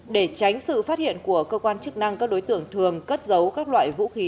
để tránh sự phát hiện của cơ quan chức năng các đối tượng thường cất dấu các loại vũ khí